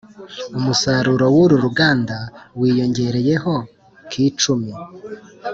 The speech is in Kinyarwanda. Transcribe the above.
umusaruro wuru ruganda wiyongereyeho kicumi